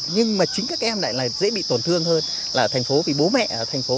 nhưng mà chính các em lại dễ bị tổn thương hơn là ở thành phố vì bố mẹ thành phố